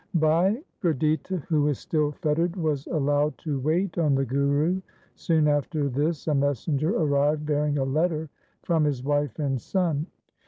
Bhai Gurditta who was still fettered was allowed to wait on the Guru. Soon after this a messenger arrived bearing a letter from his wife and son.